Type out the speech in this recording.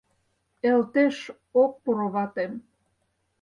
Элтеш ок пуро ватем